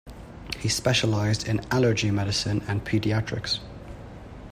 He specialized in allergy medicine and pediatrics.